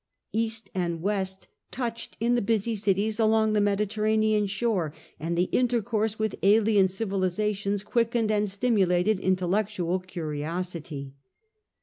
East and West touched in the busy cities along the Mediterranean shore, and the intercourse with alien civilizations quickened and stimulated intellectual curiosity.